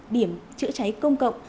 điểm chữa cháy công cộng